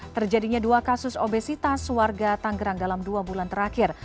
terjadinya dua kasus obesitas warga tanggerang dalam dua bulan terakhir